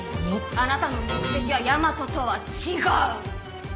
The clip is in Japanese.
あなたの目的は大和とは違う！